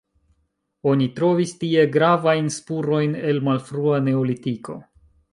Oni trovis tie gravajn spurojn el malfrua neolitiko.